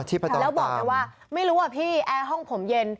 ชีพจรต่ำแล้วบอกเลยว่าไม่รู้ว่าพี่แอร์ห้องผมเย็น